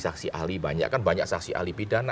saksi ahli banyak kan banyak saksi ahli pidana